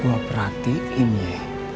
gua perhatiin ya